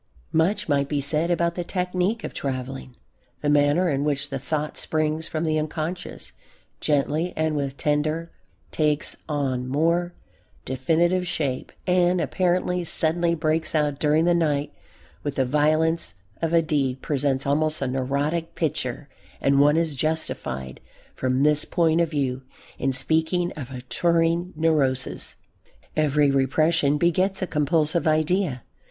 Much might be said about the technique of travelling. The manner in which the thought springs from the unconscious, gently and with tender longing, takes on more definite shape and apparently suddenly breaks out during the night with the violence of a deed, presents almost a neurotic picture, and one is justified, from this point of view, in speaking of a "touring neurosis." Every repression begets a compulsive idea.